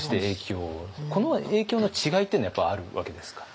この影響の違いっていうのはやっぱりあるわけですか。